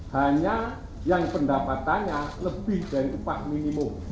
hanya yang pendapatannya lebih dari upah minimum